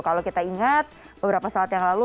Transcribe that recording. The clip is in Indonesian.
kalau kita ingat beberapa saat yang lalu